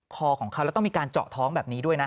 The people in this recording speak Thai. คอของเขาแล้วต้องมีการเจาะท้องแบบนี้ด้วยนะ